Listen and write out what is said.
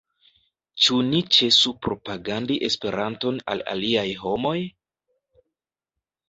Ĉu ni ĉesu propagandi Esperanton al aliaj homoj?